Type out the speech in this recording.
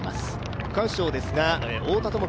区間賞ですが、太田智樹